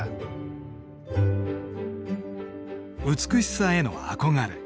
美しさへの憧れ。